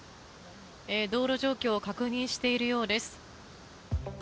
道路状況を確認しているようです。